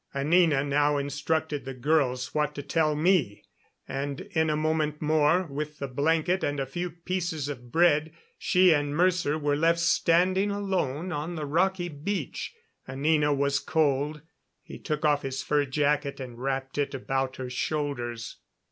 Anina now instructed the girls what to tell me, and in a moment more, with the blanket and a few pieces of bread, she and Mercer were left standing alone on the rocky beach. Anina was cold. He took off his fur jacket and wrapped it about her shoulders.